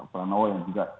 pranowo yang juga